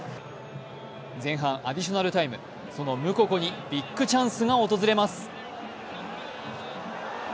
前半アディショナルタイムそのムココにビッグチャンスが訪れます。